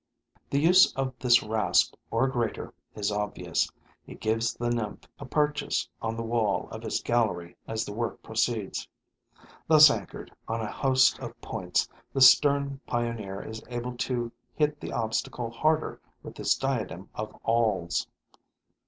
The use of this rasp, or grater, is obvious: it gives the nymph a purchase on the wall of its gallery as the work proceeds. Thus anchored on a host of points, the stern pioneer is able to hit the obstacle harder with its diadem of awls.